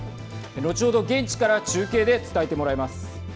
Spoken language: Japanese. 後ほど現地から中継で伝えてもらいます。